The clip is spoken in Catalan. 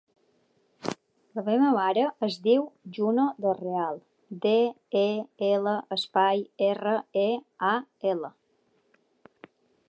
La meva mare es diu Juno Del Real: de, e, ela, espai, erra, e, a, ela.